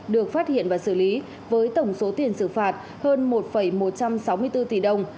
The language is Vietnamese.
được phát hiện và xử lý với tổng số tiền xử phạt hơn một một trăm sáu mươi bốn tỷ đồng